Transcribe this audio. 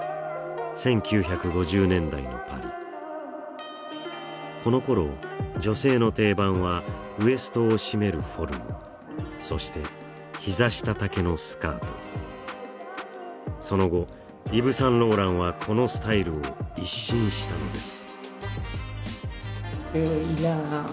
１９５０年代のパリこの頃女性の定番はウエストを締めるフォルムそして膝下丈のスカートその後イヴ・サンローランはこのスタイルを一新したのです